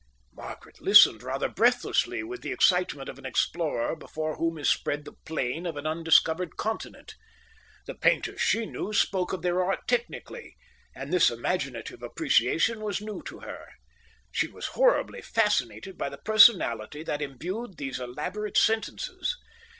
Margaret listened, rather breathlessly, with the excitement of an explorer before whom is spread the plain of an undiscovered continent. The painters she knew spoke of their art technically, and this imaginative appreciation was new to her. She was horribly fascinated by the personality that imbued these elaborate sentences.